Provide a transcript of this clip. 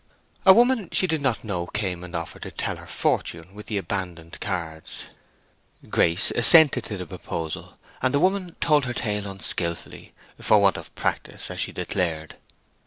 A woman she did not know came and offered to tell her fortune with the abandoned cards. Grace assented to the proposal, and the woman told her tale unskilfully, for want of practice, as she declared.